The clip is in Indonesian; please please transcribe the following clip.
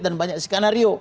dan banyak skenario